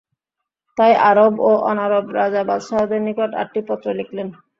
তাই আরব ও অনারব রাজা-বাদশাহদের নিকট আটটি পত্র লিখলেন।